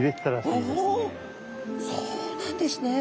そうなんですね。